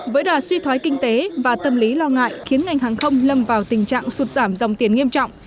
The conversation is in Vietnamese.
với đà suy thoái kinh tế và tâm lý lo ngại khiến ngành hàng không lâm vào tình trạng sụt giảm dòng tiền nghiêm trọng